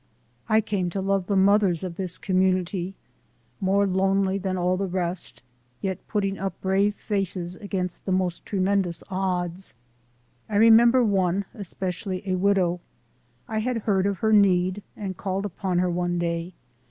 I came to love the mothers of this community, more lonely than all the rest, yet putting up brave faces against the most tremendous odds. I remem ber one especially, a widow. I had heard of her need and called upon her one day.